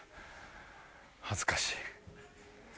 恥ずかしい。